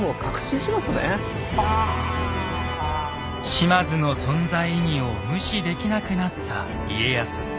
島津の存在意義を無視できなくなった家康。